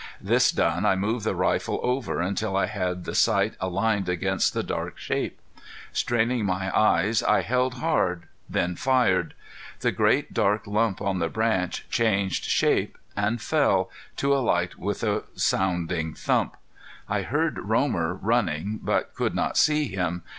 This done I moved the rifle over until I had the sight aligned against the dark shape. Straining my eyes I held hard then fired. The big dark lump on the branch changed shape, and fell, to alight with a sounding thump. I heard Romer running, but could not see him.